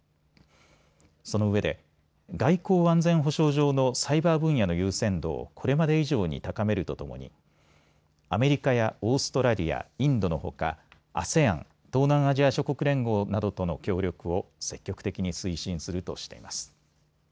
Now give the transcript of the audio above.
そのうえで外交・安全保障上のサイバー分野の優先度をこれまで以上に高めるとともにアメリカやオーストラリア、インドのほかＡＳＥＡＮ・東南アジア諸国連合などとの協力を積極的に推進するとしています。